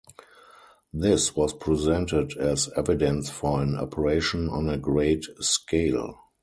This was presented as evidence for an operation on a great scale.